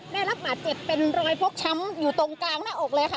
ได้รับบาดเจ็บเป็นรอยฟกช้ำอยู่ตรงกลางหน้าอกเลยค่ะ